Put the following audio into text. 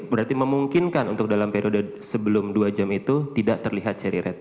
berarti memungkinkan untuk dalam periode sebelum dua jam itu tidak terlihat seri red